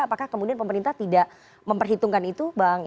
apakah kemudian pemerintah tidak memperhitungkan itu bang